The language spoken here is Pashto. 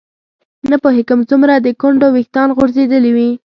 نه پوهېږم څومره د ګونډو ویښتان غورځېدلي وي.